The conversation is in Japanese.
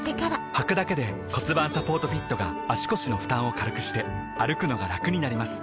はくだけで骨盤サポートフィットが腰の負担を軽くして歩くのがラクになります